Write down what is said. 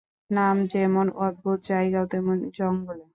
নাম যেমন অদ্ভুত, জায়গাও তেমন জঙ্গুলে।